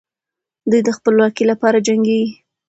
دوی د خپلواکۍ لپاره جنګېږي.